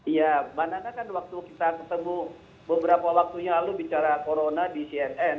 iya mbak nana kan waktu kita ketemu beberapa waktunya lalu bicara corona di cnn